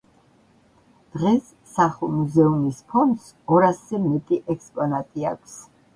დღეს სახლ-მუზეუმის ფონდს ორასზე მეტი ექსპონატი აქვს.